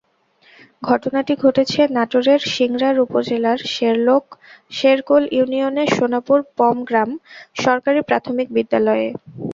ঘটনাটি ঘটেছে নাটোরের সিংড়ার উপজেলার শেরকোল ইউনিয়নের সোনাপুর পমগ্রাম সরকারি প্রাথমিক বিদ্যালয়ে।